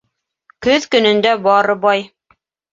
Көҙ көнөндә бары бай: